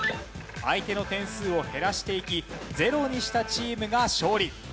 相手の点数を減らしていきゼロにしたチームが勝利。